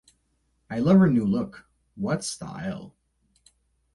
I love her new look: what style!